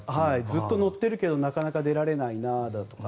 ずっと乗ってるけどなかなか出られないなだとか